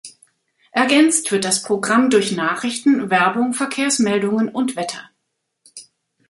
Ergänzt wird das Programm durch Nachrichten, Werbung, Verkehrsmeldungen und Wetter.